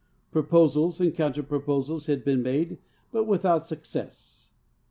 Proposals and counter j^roposals had been made, but without success.